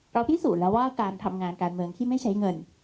พิสูจน์แล้วว่าการทำงานการเมืองที่ไม่ใช้เงิน